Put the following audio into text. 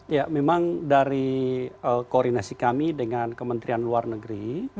ya memang dari koordinasi kami dengan kementerian luar negeri